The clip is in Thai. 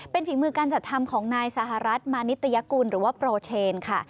เป็นฝีมือการจัดทำของนายสหรัฐมานิตยกุลหรือว่าโปรเชนค่ะ